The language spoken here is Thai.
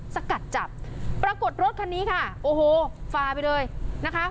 สกัดจับปรากฏรถคันนี้ค่ะโอ้โหฟาไปเลยนะคะ